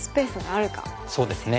そうですね。